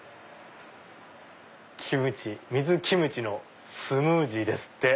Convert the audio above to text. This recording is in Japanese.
水キムチのスムージーですって。